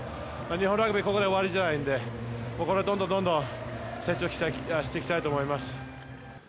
日本のラグビー、ここで終わりじゃないんで、ここからどんどんどんどん成長していきたいと思います。